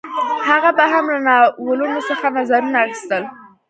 هغه به هم له ناولونو څخه نظرونه اخیستل